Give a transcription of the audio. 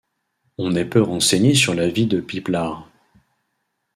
On est peu renseigné sur la vie de Pipelare.